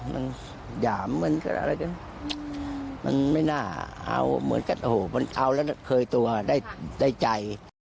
มันอย่ามันเป็นอะไรจะไม่น่าเอาอ๋อมันเอาแล้วเคยตัวได้ใจ